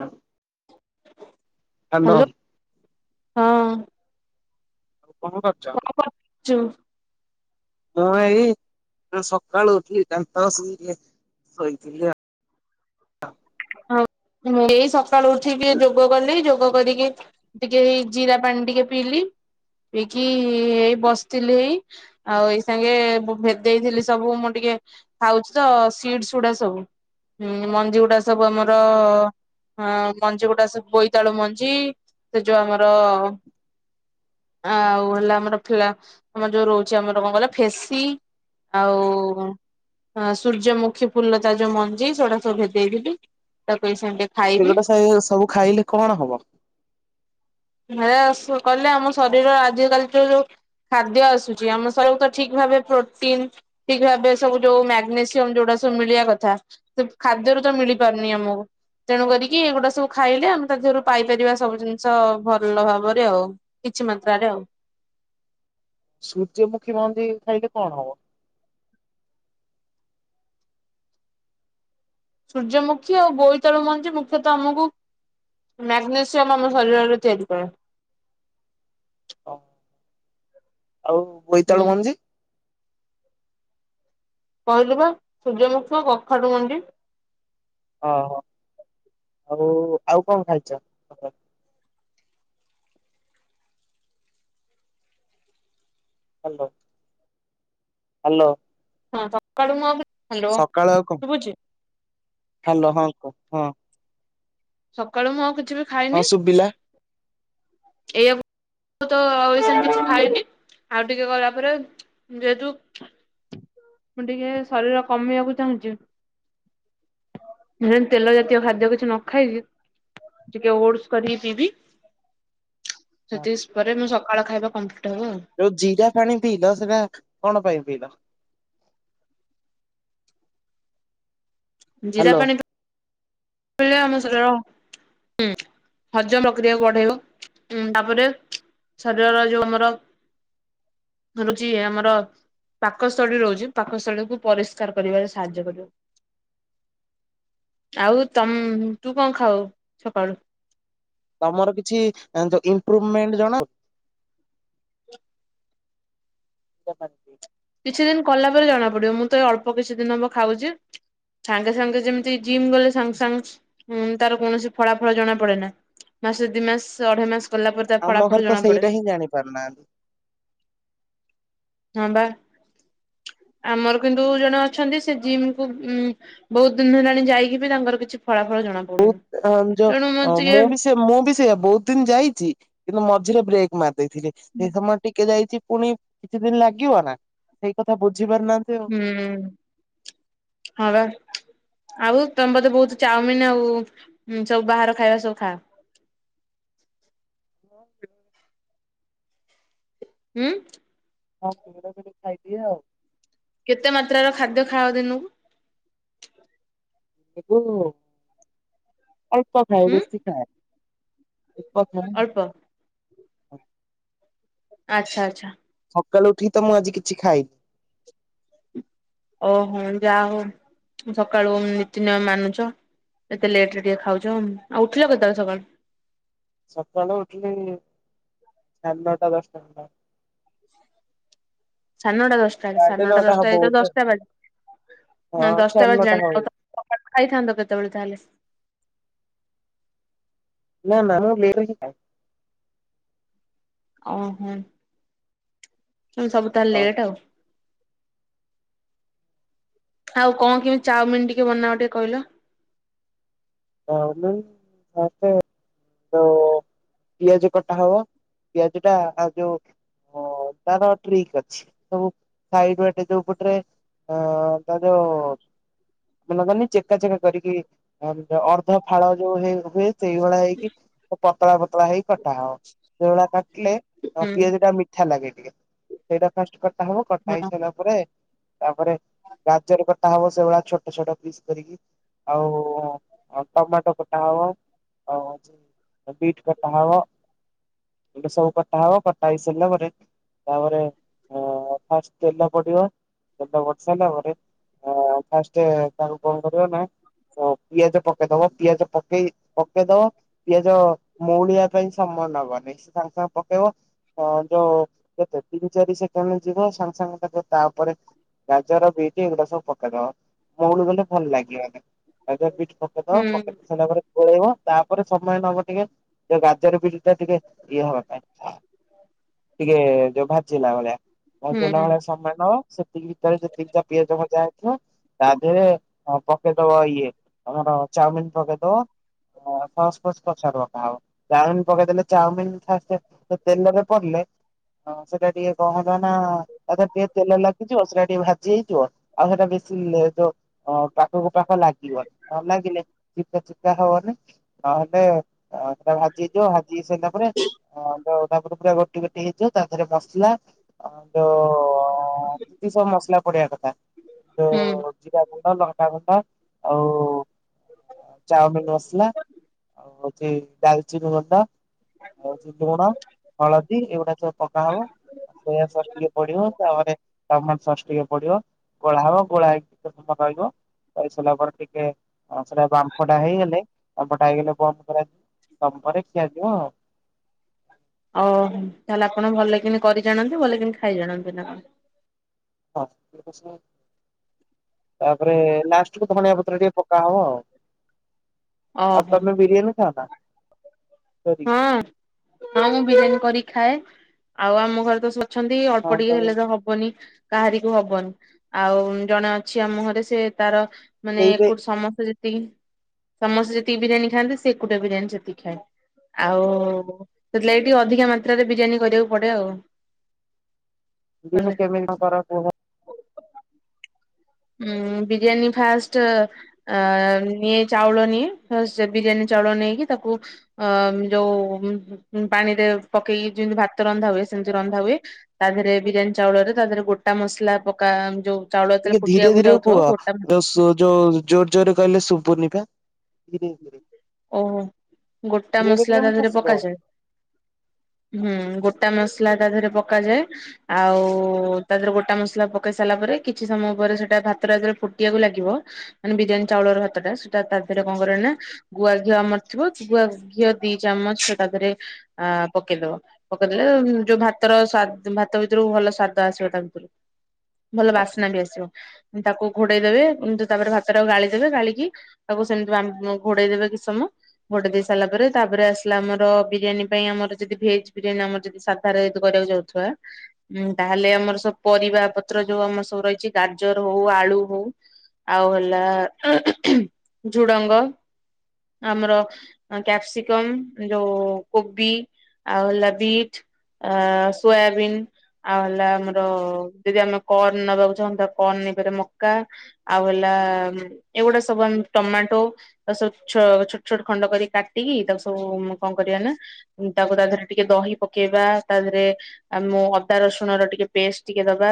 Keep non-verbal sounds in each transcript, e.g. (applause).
ହ ହ୍ୟାଲୋ ହଁ। କଣ କରୁଛ? ଚୁ ମୁଁ ଏଇ ଉଁ ସକାଳୁ ଉଠିକି ଦାନ୍ତ ଘଷିକି ଟିକେ ଶୋଇଥିଲି ଆ ହଉ ମୁଁ ବି ଏଇ ସକାଳୁ ଉଠିକି ଯୋଗ କଲି। ଯୋଗ କରିକି ଟିକେ ଏଇ ଜିରା ପାଣି ଟିକେ ପିଇଲିି। ପିଇକି ଏଇ ବସିଥିଲି ଏଇ। ଆଉ ଏଇ ସାଙ୍ଗେ ମୁଁ ଭେଦେଇଥିଲି ସବୁ ମୁଁ ଟିକେ ଖାଉଛି ତ ସିଡସ୍ ଗୁଡା ସବୁ। ହୁଁ ମଞ୍ଜିଗୁଡା ସବୁ ଆମର ହଁ ମଞ୍ଜିଗୁଡା ବୋଇତାଳୁ ମଞ୍ଜି। ସେ ଯୋଉ ଆମର ଆଉ ହେଲା ଆମର ଫ୍ଲା ଆମର ଯୋଉ ରହୁଛି ଆମର କଣ କହିଲ ଫେସି ଆଉ ଅଁ ସୂର୍ଯ୍ୟମୁଖୀ ଫୁଲ ତାର ଯୋଉ ମଞ୍ଜି ସେଗୁଡା ସବୁ ଭେଦେଇଥିଲି। ତାକୁ ଏଇ ସାଙ୍ଗେ ସେଗୁଡା (unintelligible) ସବୁ ଖାଇଲେ କଣ ହବ? ହେ (unintelligible) କହିଲେ ଆମ ଶରୀର ଆଜିକାଲି ଯୋଉ ଯୋଉ ଖାଦ୍ୟ ଆସୁଛି ଆମ ଶରୀରକୁ ତ ଠିକ୍ ଭାବେ ପ୍ରୋଟିନ୍ ଠିକ୍ ଭାବେ ସବୁ ଯୋଉ ମାଗ୍ନେସିୟମ ଯୋଉଟା ସବୁ ମିଳିବା କଥା ସେ ଖାଦ୍ୟରୁ ତ ମିଳିପାରୁନି ଆମୁକୁ। ତେଣୁ କରିକି ଏଗୁଡା ସବୁ ଖାଇଲେ ଆମେ ତା ଦେହରୁ ପାଇପାରିବା ସବୁ ଜିନିଷ ଭଲ ଭାବରେ ଆଉ କିଛି ମାତ୍ରାରେ ଆଉ ସୂର୍ଯ୍ୟମୁଖୀ ମଞ୍ଜି ଖାଇଲେ କଣ ହବ? ସୂର୍ଯ୍ୟମୁଖୀ ଆଉ ବୋଇତାଳୁ ମଞ୍ଜି ମୁଖ୍ୟତଃ ଆମକୁ ମ୍ୟାଗ୍ନେସିୟମ ଆମ ଶରୀରରେ ତିଆରି କରେ। ହ ଆଉ ହୁଁ ବୋଇତାଳୁ ମଞ୍ଜି କହିଲୁ ବା ସୂର୍ଯ୍ୟମୁଖ କଖାଡୁ ମଣ୍ଡି ଓହୋ ଆଉ ଆଉ କଣ ଖାଇଛ ହ୍ୟାଲୋ ହ୍ୟାଲୋ ହଁ ତକାଡ଼ୁ ମୁ ସକାଳ ଆଉ କଣ ହ୍ୟାଲୋ ହଁ କ ହଁ ସକାଳୁ ମୁଁ ଆଉ କିଛି ବ- ହଁ ଶୁଭିଲା ଏଇଆ ତ ଆଉ ଏ ସବୁ କିଛି ଖାଇଲି ଆଉ ଟିକେ ଗଲା ପରେ ଯେହେତୁ ମୁଁ ଟିକେ ଶରୀର କମେଇବାକୁ ଚାହୁଁଛି ତେଲ ଜାତୀୟ ଖାଦ୍ୟ କିଛି ନ ଖାଇବି ଟିକେ ଓଡସ କରିକି ପିଇବି ସେତିଶ ପରେ ମୁଁ ସକାଳ ଖାଇବା କମ୍ପ୍ଲିଟ ହବ ଆଉ। ଯୋଉ ଜିରା ପାଣି ପିଇଲ ସେଇଟା କଣ ପାଇଁ ପିଇଲ ଜିରା ହ୍ୟାଲୋ ପାଣି ପ ଆମ ଶରୀରର ହଁ ହଜମ ପ୍ରକ୍ରିୟା ବଢେଇବ ଉଁ ତାପରେ ଶରୀରର ଯୋଉ ଆମର ରୁଚି ଆମର ପାକସ୍ଥଳୀ ରହୁଛି ପାକସ୍ଥଳୀକୁୁ ପରିଷ୍କାର କରିବାରେ ସାହାଯ୍ୟ କରିବ ଆଉ ତମ ତୁ କଣ ଖାଉ ସକାଳୁ? ତମର କିଛି ଇମ୍ପରୁଭମେଣ୍ଟ ଜଣା (unintelligible) କିଛି ଦିନ କଲା ପରେ ଜଣା ପଡିବ ମୁଁ ତ ଏଇ ଅଳ୍ପ କିଛି ଦିନ ହବ ଖାଉଛି। ସାଙ୍ଗେ ସାଙ୍ଗେ ଯେମିତି ଜିମ୍ ଗଲେ ସାଙ୍ଗେ ସାଙ୍ଗେ ତାର କୌଣସି ଫଳାଫଳ ଜଣା ପଡେ ନା। ମାସରେ ଦି ମାସ ଅଢେଇ ମାସ ଗଲା ପରେ ତା ଆମ ଫଳା ଘରେ ଫଳ ତ ଜଣାପଡେ। ସେଇଟା ହିଁ ଜାଣି ପାରୁନାହାନ୍ତି। ହଁ ବା ଆମର କିନ୍ତୁ ଜଣେ ଅଛନ୍ତି ସେ ଜିମକୁ ଉ ବହୁତ ଦିନ ହେଲାଣି ଯାଇକି ବି ତାଙ୍କର କିଛି ଫଳାଫଳ ଜଣା ପଡୁନି ବହୁ ଯ ତେଣୁ ଟିକେ ମୁଁ ବି ସେ ମୁଁ ବି ସେଇଆ ବହୁତ ଦିନ ଯାଇଛି କିନ୍ତୁ ମଝିରେ ବ୍ରେକ୍ ମାରିଦେଇଥିଲି। ସେଇ ସମୟ ଟିକେ ଯାଇଛି ପୁଣି କିଛି ଦିନ ଲାଗିବ ନା ସେଇ କଥା ବୁଝି ପାରିନାହାନ୍ତି। ହୁଁ ହଁ ବା। ଆଉ ତମେ ବତେ ବହୁତ ଚାଉମିନ ଆଉ ସବୁ ବାହାର ଖାଇବା ସବୁ ଖାଅ। ମୋ ହୁଁ। ହଁ ପୁଡା ଫ ଖାଇଦିଏ ଆଉ। କେତେ ମାତ୍ରାର ଖାଦ୍ୟ ଖାଅ ଦିନକୁ। ଅଳ୍ପ ଖାଇ ହୁଁ ବେଶୀ ଖଏନି। ଏକଥା ଅଳ୍ପ ଆଚ୍ଛା ଆଚ୍ଛା। ସକାଳୁ ଉଠିକି ତ ମୁଁ ଆଜି କିଛି ଖାଇନି। ଓହୋ ଯାହା ହଉ ସକାଳୁ ନୀତିନିୟମ ମାନୁଛ। ଏତେ ଲେଟ ରେ ଟିକେ ଖାଉଛ ଆଉ ଉଠିଲା କେତେବେଳେ ସକାଳୁ। ସକାଳେ ଉଠିଲି ସାଢେ ନଅଟା ଦଶଟା ଖଟା। ସାନଟା ଦଶଟା ବେ ସାଢେ ସାନଟା ନଅଟା ହବ ଦଶଟା ଯ ବୋଧେ ଦଶଟା ବାଜ ହଁ ନା ଦଶଟା ସାଢେ ନଅଟା ବାଜିଲାଣି ହବ ଆଉ (unintelligible) ଖାଇଥାନ୍ତ କେତେବେଳେ ତାହେଲେ? ନା ନା ମୁଁ (unintelligible) ଓହୋ ସବୁ ତାହାଲେ ହଁ ଲେଟ ଆଉ। ଆଉ କଣ କିମିତି ଚାଉମିନ ଟିକେ ବନାଅ ଟିକେ କହିଲ। (unintelligible) ତ ପିଆଜ କଟା ହବ ପିଆଜ ଟା ଆଉ ଯୋଉ ହଁ ତାର ଟ୍ରିକ୍ ଅଛି। ସବୁ ସାଇଡଟେ ଯୋଉ ପଟରେ ଅ ତା ଯୋଉ ମାନ ଚେକା ଚେକା କରିକି ଅର୍ଦ୍ଧ ଫାଳ ଯୋଉ ହେଇ ହୁଏ ସେଇଭଳିଆ ହେଇକି ପତଳା ପତଳା ହେଇ କଟା ହବ ସେଭଳିଆ କାଟିଲେ ଆଉ ହୁଁ ପିଆଜ ଟା ମିଠା ଲାଗେ ଟିକେ ସେଇଟା ଫାଷ୍ଟ କଟା ହବ କଟା ହେଇ ସାରିଲା ତା ତାପରେ ଗାଜର କଟା ହବ ସେଭଳିଆ ଛୋଟ ଛୋଟ ପିସ୍ କରିକି। ଆଉ ଟମାଟୋ କୋଟା ହବ ଆଉ ବିଟ କଟା ହବ ଏଟ ସବୁ କଟା ହବ କଟା ହେଇ ସାରିଲା ପରେ ତାପରେ ଫାଷ୍ଟ ତେଲ ପଡିବ ତେଲ ପଡି ସାରିଲା ପରେ ହ ଫାଷ୍ଟ ତାଙ୍କୁ କଣ କରିବ ନା ଓ ପିଆଜ ପକେଇଦବ ପିଆଜ ପକେଇ ପକେଇଦବ। ପିଆଜ ମଉଳିଆ ପାଇଁ ସମମାନ ହବ ନାଇଁ ସେ ସାଙ୍ଗ ସାଙ୍ଗେ ପକେଇବ। ହ ଯୋଉ କେତେ ତିନି ଚାରି ସେକେଣ୍ଡ ଯିବେ ସାଙ୍ଗେ ସାଙ୍ଗେ ତା ତାପରେ ଗାଜର ବିଟ ଏଇଗୁଡା ସବୁ ପକେଇଦବ ମଉଳ ଗଲେ ଭଲ ଲାଗିବ ଗା ବି ହୁଁ ପକେଟିଲା ପରେ ପଳେଇବ ତାପରେ ସମୟ ନବ ଟିକେ ଯଉ ଗାଜର ବିରି ଟା ଟିକେ ଇଏ ହବା ପାଇଁ। ଟିକେ ଯୋଉ ଭାଜିଲା ଭଳିଆ ମ ଦିନ ହୁଁ ଭଳିଆ ସମୟ ଦବ। ସେତିକି ଭିତରେ ଯେତିକି ପିଆଜ ଭଜା ହେଇଥିବ। ତା ଦେହରେ ପକେଇଦବ ଇଏ ଆମର ଚାଉମିିନ ପକେଇଦବ। ସସ୍ ଫସ୍ ପଛରେ ପକା ହବ ଚାଉମିିନ ପକେଇଦଲେ ଚାଉମିନ ଫାଷ୍ଟ ତେଲରେ ପଡିଲେ ହଁ ସେଟା ଟିକେ କଣହେଲା ନା ତା ଦେହରେ ଟିକେ ତେଲ ଲାଗିଯିବ ସେଇଟା ଟିକେ ଭାଜି ହେଇଯିବ। ଆଉ ସେଟା ବେଶୀଲେ ଯଉ ପାଖକୁ ପାଖ ଲାଗିବନି ନ ଲାଗିଲେ ଚିପକା ଚିପକା ହବନି ନହେଲେ ଭାଜି ହେଇଯିବ ଭାଜି ହେଇ ସାରିଲା ପରେ ହଁ ତାପରେ ପୁରା ଗୋଟି ଗୋଟି ହେଇଯିବ ତା ଦେହରେ ମସଲା ଆ ଯୋ ଯେତିକି ସବୁ ମସଲା ପଡିବା କଥା ହୁଁ। ଯୋଉ ଜିରା ଗୁଣ୍ଡ ଲଙ୍କାଗୁଣ୍ଡ ଆଉ ଚାଉମିନ ମସଲା। ଆଉ ହେଉଛି ଡାଲଚିନିଗଣ୍ଡା। ଆଉ ହେଉଛି ଲୁଣ ହଳଦୀ ଏଇଗୁଡା ସବୁ ପକା ହବ। ସୋୟା ସସ୍ ଟିକେ ପଡିବ ତାପରେ ଟମାଟ ସସ୍ ଟିକେ ପଡିବ। ଗୋଳା ହବ ଗୋଳା ହେଇକି କେତେ ସମୟ ରହିବ। ପାଇସାରିଲା ପରେ ଟିକେ ସେଟା ବାମ୍ଫଟା ହେଇଗଲେ (unintelligible) ହେଇଗଲେ ବନ୍ଦ କରାଯିବ ତପରେ ଖିଆ ଯିବ ଆଉ। ଆଉ ତାହେଲେ ଆପଣ ଭଲ କିିନି କରିଜାଣନ୍ତି ଭଲ କିନି ଖାଇ ଜାଣନ୍ତି ନା କଣ? ହଁ। ତାପରେ ଲାଷ୍ଟ କୁ ଧନିଆପତ୍ର ଟିକେ ପକା ହବ ଆଉ। ଆଉ ଓହୋ। ତମେ ବିରିୟାନୀ ଖାଅ ନା? କରି ହଁ ହଁ ମୁଁ ବିରିୟାନୀ କରିକି ଖାଏ ଆଉ ଆମ ଘରେ ତ ସବୁ ଅଛନ୍ତି ହଁ ଅଳ୍ପ ଟିକେ ତମେ ହେଲେ ତ ହବନି। କାହାରିକୁ ହବନି ଆଉ ଜଣେ ଅଛି ଆମ ଘରେ ସେ ତାର ମାନେ ସେଇବେ ଏକୁ ସମସ୍ତେ ଯେ ତିକି ସମସ୍ତେ ଯେତିକି ବିରିୟାନୀ ଖାଆନ୍ତି ସେ ଏକୁଟିଆ ବିରିୟାନୀ ସେତିକି ଖାଏ। ଆଉ ସେଥିଲାଗି ଟିକେ ଅଧିକା ମାତ୍ରାରେ ବିରିୟାନୀ କରିବାକୁ ପଡେ ଆଉ। ମୁଁ କଲେ କହିଲି କେମିତି କଣ କର? କୁହ? ଉଁ ବିରିୟାନୀ ଫାଷ୍ଟ ଅ ନିଏ ଚାଉଳ ନିଏ ବିରିୟାନୀ ଚାଉଳ ନେଇକି ତାକୁ ଅ ଯୋଉ ପାଣିରେ ପକେଇକି ଯେମିତି ଭାତ ରନ୍ଧା ହୁଏ ସେମିତି ରନ୍ଧା ହୁଏ। ତା ଦେହରେ ବିରିୟାନୀ ଚାଉଳରେ ତା ଦେହରେ ଗୋଟା ମସଲା ପକା ଯୋଉ ଚାଉଳ ଟିକେ ଯେତେବଳେ ଫୁଟି ଧୀରେ ଧୀରେ କୁହ ଯ ଯୋଉ ଜୋର ଜୋରରେ କହିଲେ ଶୁଭୁନି ବା। ଧୀରେ ଧୀରେ ଓହୋ ଗୋଟା ଧୀରେ ମସଲା ଧୀରେ ତା ମାନେ ଦେହରେ ସ୍ଲୋ। ପକାଯାଏ। ହୁଁ ଗୋଟା ମସଲା ତା ଦେହରେ ପକାଯାଏ। ଆଉ ତା ଦେହରେ ଗୋଟା ମସଲା ପକେଇ ସାରିଲା ପରେ କିଛି ସମୟ ପରେ ସେଟା ଭାତଟା ଯେତେବେଳ ଫୁଟିବାକୁ ଲାଗିବ ମାନେ ବିରିୟାନୀ ଚାଉଳର ଭାତ ଟା ସେଟା ତା ଦେହରେ କଣ କରେନା ଗୁଆ ଘିଅ ଆମର ଥିବ ଗୁଆ ଘିଅ ଦି ଚାମଚ ସେ ତା ଦେହରେ ଅ ପକେଇ ଦେବ। ପକେଇଦେଲେ ଯୋଉ ଭାତର ସ୍ୱା ଭାତ ଭିତରୁ ଭଲ ସ୍ଵାଦ ଆସିବ ତା ଭିତରୁ। ଭଲ ହଁ, ବାସ୍ନା ବି ଆସିବ। ତାକୁ ଘୋଡେଇ ହଁ। ଦେବେ ତାପରେ ଭାତଟାକୁ ଗାଳିଦେବେ ଗାଳିକି ତାକୁ ସେମ ଯୋଉ ଆମ ଘୋଡେଇଦବେ କିଛି ସମୟ। ଘୋଡେଇ ଦେଇସାରିଲା ପରେ ତାପରେ ଆସିଲା ଆମର ବିରିୟାନୀ ପାଇଁ ଆମର ଯଦି ଭେଜ ବିରିୟାନୀ ଆମର ଯଦି ସାଧାରେ ଯଦି କରିବାକୁ ଯାଉ ଥୁବା ହଁ ତାହେଲେ ଆମର ସବୁ ପରିବା ପତ୍ର ଯୋଉ ଆମର ସବୁ ରହିଛି ଗାଜର ହଉ ଆଳୁ ହଉ। ଆଉ ହେଲା ଝୁଡଙ୍ଗ ଆମର କ୍ୟାପ୍ସିକମ୍ ଯୋଉ କୋବି ଆଉ ହେଲା ବିଟ୍। ଆ ସୋୟାବିନ୍। ଆଉ ହେଲା ଆମର ଯଦି ଆମେ କର୍ଣ୍ଣ ନବାକୁ ଚାହୁଁଥିବା କର୍ଣ୍ଣ ନେଇପାରିବା ମକା। ଆଉ ହେଲା ଏଇଗୁଡ଼ା ସବୁ ଆମେ ଟମାଟୋ ତାକୁ ସବୁ ଛୋଟ ଛୋଟ ଖଣ୍ଡ କରିକି କାଟିକି ତାକୁ ସବୁ କଣ କରିବା ନା ତାକୁ ତା ଦେହରେ ଟିକେ ଦହି ପକେଇବା ତା ଦେହରେ ଆ ମୁଁ ଅଦା ରସୁଣ ର ଟିକେ ପେଷ୍ଟ ଟିକେ ଦବା।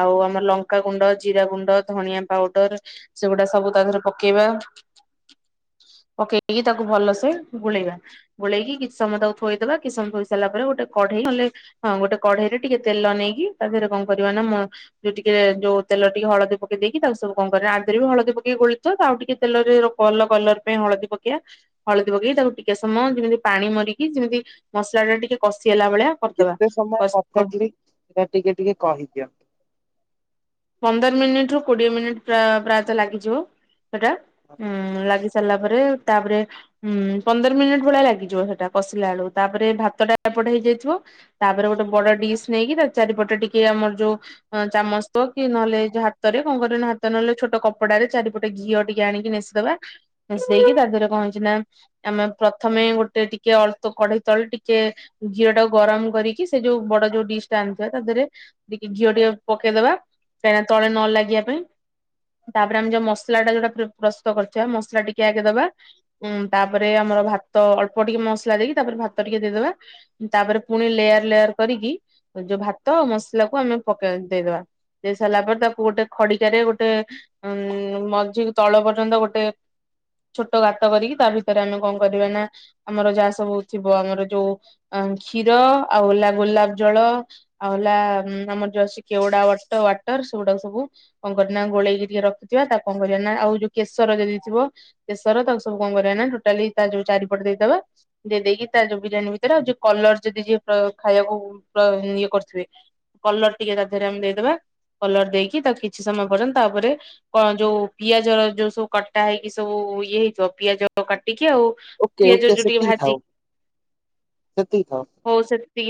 ଆଉ ଆମର ଲଙ୍କାଗୁଣ୍ଡ ଜିରା ଗୁଣ୍ଡ ଧଣିଆ ପାଉଡର ସେଗୁଡା ସବୁ ତା ଦେହରେ ପକ ପକେଇବା ପକେଇକି ତାକୁ ଭଲସେ ଗୋଳେଇବା। ଗୋଳେଇ କି କିଛି ସମୟ ତାକୁ ଥୋଇଦବା କିଛି ସମୟ ଥୋଇଁ ସାରିଲା ପରେ ଗୋଟେ କଢେଇ ନ ହେଲେ ହଁ ଗୋଟେ କଢେଇ ରେ ଟିକେ ତେଲ ନେଇକି ତା ଦେହରେ କଣ କରିବା ନା ମ ଯୋଉ ଟିକେ ଯୋଉ ତେଲ ଟିକେ ହଳଦୀ ପକେଇ ଦେଇକି ତାକୁ ସବୁ କଣ କରିବ ଆଧରେ ବି ହଳଦୀ ପକେଇ ଗୋଳେଇ ବ ଆଉ ଟିକେ ତେଲ ରେ ଭଲ କଲର ପାଇଁ ହଳଦୀ ପକେଇବା। ହଳଦୀ ପକେଇକି ତାକୁ ଟିକେ ସମୟ ଯେମିତି ପାଣି ମରିକି ଯେମିତି ମସଲା ଟା ଟିକେ କଷି ହେଲା ଭଳିଆ କରିଦବା କେତେ ସମୟ କଷି କମ୍ପେଟିଲି ଟିକେ ଟିକେ କହିଦିଅ? ପନ୍ଦର ମିନିଟ ରୁ କୋଡିଏ ମିନିଟ ପ୍ରାୟ ପ୍ରାୟତଃ ଲାଗିଯିବ ସେଟା ଉଁ ଲାଗି ସରିଲା ପରେ ତା ପରେ ହୁଁ ପନ୍ଦର ମିନିଟ ଭଳିଆ ଲାଗିଯିବ ସେଟା କଷିଲା ବେଳକୁ ତାପରେ ଭାତ ଟା ଏପଟେ ହେଇଯାଇଥିବ। ତା ପରେ ଗୋଟେ ବଡ ଡିସ୍ ନେଇକି ତା ଚାରିପଟେ ଟିକେ ଆମର ଯୋଉ ଚାମଚ କି ନହଲେ ଏ ହାତରେ କଣ କରିବ ନା ହାତରେ ନ ହେଲେ ଛୋଟ କପଡାରେ ଚାରିପଟେ ଘିଅ ଟିକେ ଆଣିକି ନେସିଦେବା। ମିଶେଇକି ତା ଦେହରେ କଣ ହେଇଛି ନା ଆମେ ପ୍ରଥମେ ଗୋଟେ ଟିକେ ଅଳ୍ପ କଢେଇ ତଳେ ଟିକେ ଘିଅ ଟାକୁ ଗରମ କରିକି ସେ ଯୋଉ ବଡ ଯୋଉ ଡିସ୍ ଟା ଆଣିଥିବା ତା ଦେହରେ ଟିକେ ଘିଅ ଟିକେ ପକେଇଦବା କାହିଁକିନା ତଳେ ନ ଲାଗିବା ପାଇଁ। ତାପରେ ଆମେ ଯୋଉ ମସଲା ଟା ଯୋଉଟା ପ୍ରସ୍ତୁତ କରିଥିବା ମସଲା ଟିକେ ଆଗେ ଦବା। ହଁ ତାପରେ ଆମର ଭାତ ଅଳ୍ପ ଟିକେ ମସଲା ଦେଇକି ତାପରେ ଭାତ ଟିକେ ଦେଇଦବା। ତାପରେ ପୁଣି ଲେୟାର ଲେୟାର କରିକି ଯୋଉ ଭାତ ମସଲାକୁ ଆମେ ପକେଇ ଦେଇ ଦବା। ଦେଇ ସାରିଲା ପରେ ତାକୁ ଗୋଟେ ଖଡିକା ରେ ଗୋଟେ ଉଁ ମଝିକୁ ତଳ ପର୍ଯ୍ୟନ୍ତ ଗୋଟେ ଛୋଟ ଗାତ କରିକି ତା ଭିତରେ ଆମେ କଣ କରିବା ନା ଆମର ଯାହା ସବୁ ଥିବ ଆମର ଯୋଉ ଆ କ୍ଷୀର ଆଉ ହେଲା ଗୋଲାପ ଜଳ। ଆଉ ହେଲା ଆମର ଯୋଉ ସିକେଉଡା ୱାଟର ସେଗୁଡାକ ସବୁ। କଣ କରି ନା ଗୋଳେଇକି ଟିକେ ରଖିଥଥିବା ତାକୁ କଣ କରିବା ନା ଆଉ ଯୋଉ କେଶର ଯଦି ଥିବ। କେଶର ତାକୁ ସବୁ କଣ କରିବା ନା ଟୋଟାଲି ତା ଯୋଉ ଚାରିପଟେ ଦେଇଦବା। ଦେଇ ଦେଇେଇକି ତା ଯୋଉ ବିରିୟାନୀ ଭିତରେ ଆଉ ଯଉ କଲର ଯଦି ଯିଏ ପ୍ର ଖାଇବାକୁ ପ୍ର ଇଏ କରୁଥିବେ। କଲର ଟିକେ ତା ଦେହରେ ଆମେ ଦେଇଦବାକଲର ଦେଇକି ତାକୁ କିଛି ସମୟ ପର୍ଯ୍ୟନ୍ତ ତାପରେ କଣ ଯୋଉ ପିଆଜର ଯୋଉ ସବୁ କଟା ହେଇକି ସବୁ ଇଏ ହେଇଥିବ ପିଆଜ କାଟିକି ଆଉ। ଓକେ ପିଆଜ ଓକେ ଯଉ ଟିକେ ସେତିକି ଥାଉ ଭାଜିକି ସେତିକି ଥାଉ। ହଉ ସେତିକି।